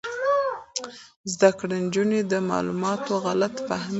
زده کړې نجونې د معلوماتو غلط فهمۍ کموي.